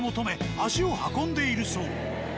足を運んでいるそう。